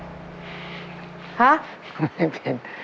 ไม่เป็น